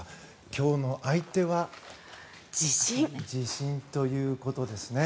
今日の相手は地震ということですね。